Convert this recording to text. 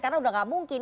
karena sudah gak mungkin